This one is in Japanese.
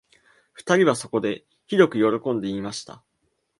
二人はそこで、ひどくよろこんで言いました